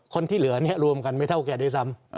คนที่เหลือเนี่ยรวมกันไม่เท่าแกด้วยซ้ำ